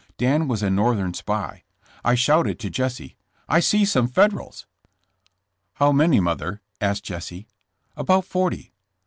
Dan was a North ern spy. I shouted to Jesse :*' 'I see some Federals' " 'How many, mother?' asked Jesse. " 'About forty.'